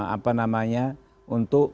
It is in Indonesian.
apa namanya untuk